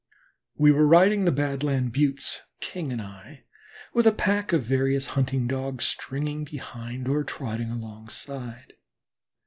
We were riding the Badland Buttes, King and I, with a pack of various hunting Dogs stringing behind or trotting alongside.